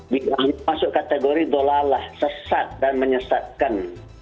bila masuk kategori dolalah sesat dan menyesatkan